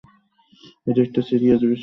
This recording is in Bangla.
এটা একটা সিরিয়াস বিষয়।